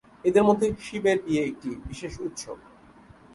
এদের মধ্যে শিবের বিয়ে একটি বিশেষ উৎসব।